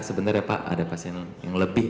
sebenarnya pak ada pasien yang lebih